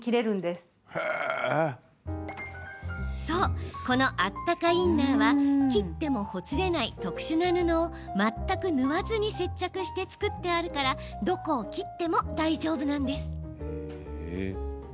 そう、このあったかインナーは切ってもほつれない特殊な布を全く縫わずに接着して作ってあるからどこを切っても大丈夫なんです。